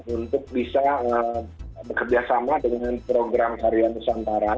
untuk bisa bekerjasama dengan program karyawan nusantara